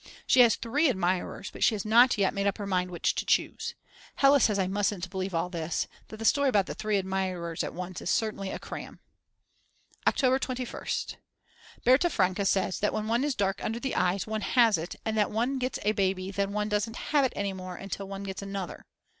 She has three admirers, but she has not yet made up her mind which to choose. Hella says I mustn't believe all this, that the story about the three admirers at once is certainly a cram. October 21st. Berta Franke says that when one is dark under the eyes one has it and that when one gets a baby then one doesn't have it any more until one gets another.